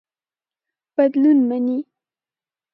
بدلون مني.